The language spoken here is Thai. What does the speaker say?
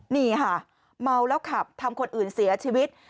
นี่ค่ะเมาแล้วขับทำคนอื่นเสียชีวิต